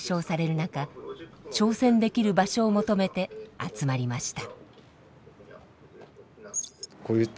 中挑戦できる場所を求めて集まりました。